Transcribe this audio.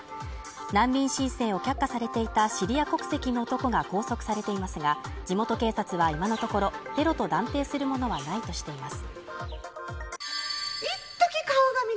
難民申請を却下されていたシリア国籍の男が拘束されていますが、地元警察は今のところテロと断定するものはないとしています。